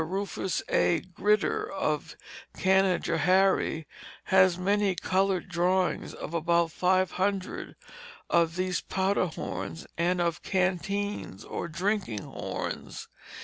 Rufus A. Grider, of Canajoharie, has made colored drawings of about five hundred of these powder horns, and of canteens or drinking horns.